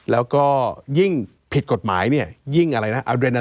แล้วก็ยิ่งผิดกฎหมายเนี่ยยิ่งอะไรนะ